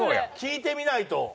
聞いてみないと。